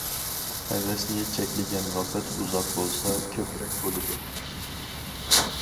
ھەۋەسنى چەكلىگەن ۋاقىت ئۇزاق بولسا، كۆپرەك بولىدۇ.